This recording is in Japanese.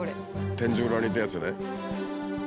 天井裏にいたやつね。